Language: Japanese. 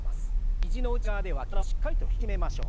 肘の内側で脇腹をしっかりと引き締めましょう。